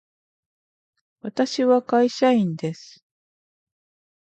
私は会社員です。